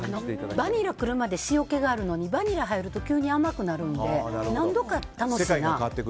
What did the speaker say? バニラ来るまで塩気が来るのにバニラ入ると急に甘くなるので楽しいな。